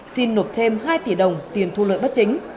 xin nộp thêm hai tỷ đồng tiền thu lợi bất chính